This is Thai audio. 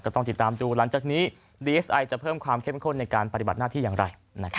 ต้องติดตามดูหลังจากนี้ดีเอสไอจะเพิ่มความเข้มข้นในการปฏิบัติหน้าที่อย่างไร